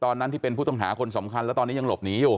ตอนนั้นที่เป็นผู้ต้องหาคนสำคัญแล้วตอนนี้ยังหลบหนีอยู่